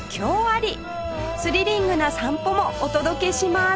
スリリングな散歩もお届けします